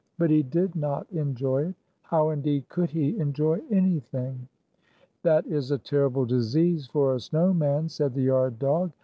But he did not enjoy it. How, indeed, could he enjoy anything? "That is a terrible disease for a snow man," said the yard dog.